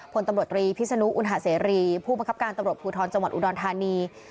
พลตำรวจตรีพิศนุอุณหาเสรีผู้บังคับการตำรวจภูทรจังหวัดอุดรธานี